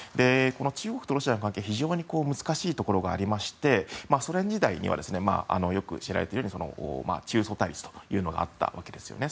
中国とロシアの関係非常難しいところがありましてソ連時代にはよく知られているように中ソ対立というのがあったわけですね。